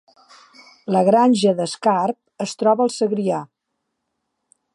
La Granja d’Escarp es troba al Segrià